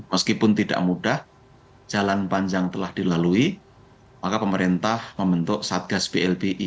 meskipun tidak mudah jalan panjang telah dilalui maka pemerintah membentuk satgas blbi